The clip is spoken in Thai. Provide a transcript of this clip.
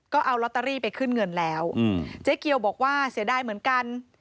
ก็เอาลอตเตอรี่ไปขึ้นเงินแล้วเจ๊เกียวบอกว่าเสียดายเหมือนกัน